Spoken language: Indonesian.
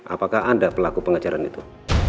apakah ada pelaku pengejaran itu